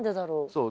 そう。